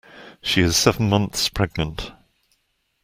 She is seven months pregnant.